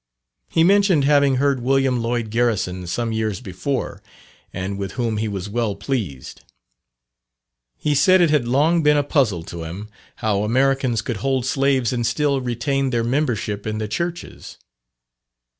He mentioned having heard William Lloyd Garrison some years before, and with whom he was well pleased. He said it had long been a puzzle to him, how Americans could hold slaves and still retain their membership in the churches.